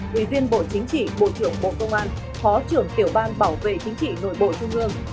ủy viên bộ chính trị bộ trưởng bộ công an phó trưởng tiểu ban bảo vệ chính trị nội bộ trung ương